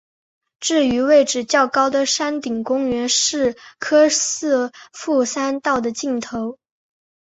至于位置较高的山顶公园是柯士甸山道的尽头。